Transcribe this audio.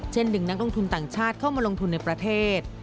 ดึงนักลงทุนต่างชาติเข้ามาลงทุนในประเทศ